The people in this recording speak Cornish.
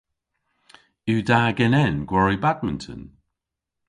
Yw da genen gwari badminton?